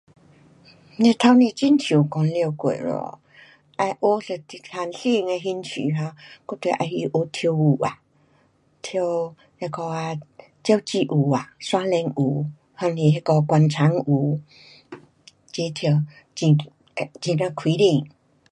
这刚才好像讲了过了。再学一种新